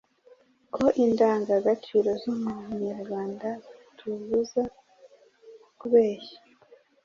ko indangagaciro z’umuco nyarwanda zitubuza kubeshya.